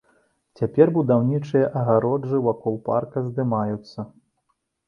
Цяпер будаўнічыя агароджы вакол парка здымаюцца.